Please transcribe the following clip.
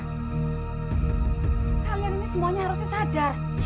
kalian ini semuanya harusnya sadar